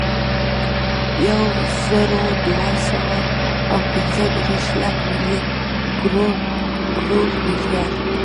یوزرودوهسوه اوپنځهدېرش، لک، ملیون، کروړ، ملیارد